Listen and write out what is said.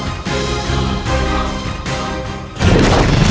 aku sudah menemukan siliwangi